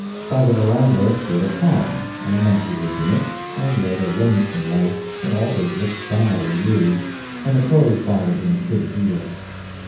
By the veranda stood a palm, and a monkey lived in it, and led a lonesome life, and always looked sad and weary, and the crows bothered him a good deal.